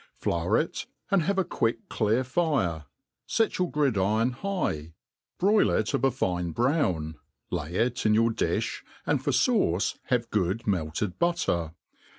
FLOUB: it, and have a quick clear fire, fct your gridiron high, broil it of a fine brown, lay it in your di{h, and for fauce have good melted butter.